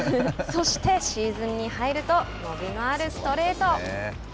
そして、シーズンに入ると伸びのあるストレート。